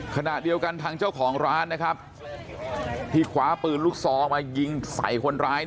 ขณะเดียวกันทางเจ้าของร้านนะครับที่คว้าปืนลูกซองมายิงใส่คนร้าย